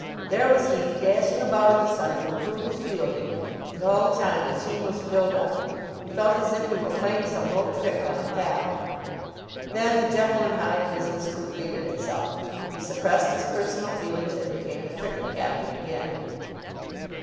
There was he, dashing about in the sun to improve his fielding, and all the time the team was filled up. He felt as if he were playing some low trick on a pal. Then the Jekyll and Hyde business completed itself. He suppressed his personal feelings, and became the cricket captain again.